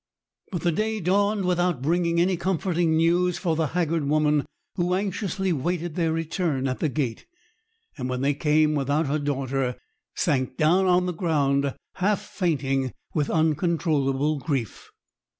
But the day dawned without bringing any comforting news for the haggard woman who anxiously waited their return at the gate, and, when they came without her daughter, sank down on the ground, half fainting with uncontrollable grief.